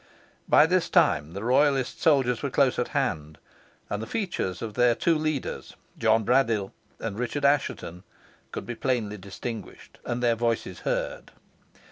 By this time, the royalist soldiers were close at hand, and the features of their two leaders, John Braddyll and Richard Assheton, could be plainly distinguished, and their voices heard.